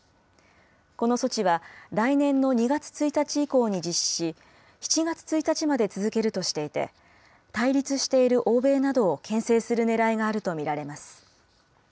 この措置は、来年の２月１日以降に実施し、７月１日まで続けるとしていて、対立している欧米などをけん制するねらいがあると見られます。